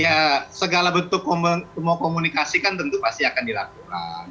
ya segala bentuk mau komunikasi kan tentu pasti akan dilakukan